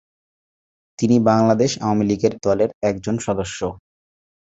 তিনি বাংলাদেশ আওয়ামী লীগের দলের একজন সদস্য।